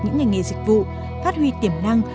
những ngành nghề dịch vụ phát huy tiềm năng